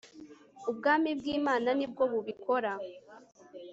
ubwami bwimananibwo bubikora